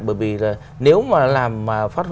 bởi vì là nếu mà làm phát huy được